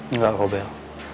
enggak kok bel